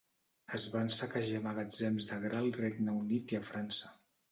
Es van saquejar magatzems de gra al Regne Unit i a França.